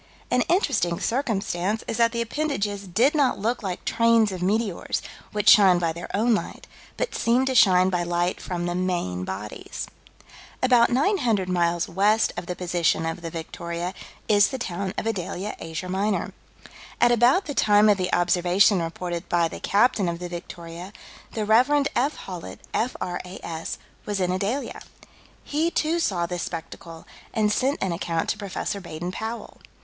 An interesting circumstance is that the appendages did not look like trains of meteors, which shine by their own light, but "seemed to shine by light from the main bodies." About 900 miles west of the position of the Victoria is the town of Adalia, Asia Minor. At about the time of the observation reported by the captain of the Victoria, the Rev. F. Hawlett, F.R.A.S., was in Adalia. He, too, saw this spectacle, and sent an account to Prof. Baden Powell.